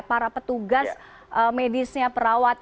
para petugas medisnya perawat